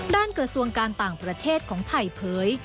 กระทรวงการต่างประเทศของไทยเผย